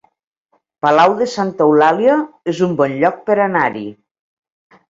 Palau de Santa Eulàlia es un bon lloc per anar-hi